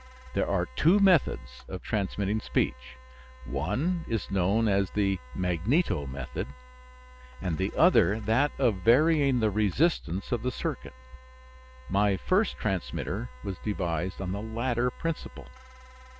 There are two methods of transmitting speech. One is known as the magneto method and the other that of varying the resistance of the circuit. My first transmitter was devised on the latter principle.